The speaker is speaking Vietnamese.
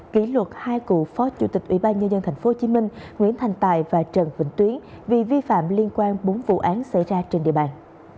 kỷ luật hai cựu phó chủ tịch ủy ban nhân dân tp hcm nguyễn thành tài và trần vĩnh tuyến vì vi phạm liên quan bốn vụ án xảy ra trên địa bàn